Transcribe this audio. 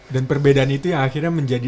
dan perbedaan itu yang akhirnya